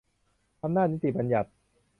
อำนาจนิติบัญญัติ